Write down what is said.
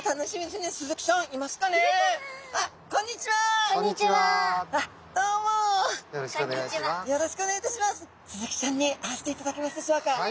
スズキちゃんに会わせていただけますでしょうか？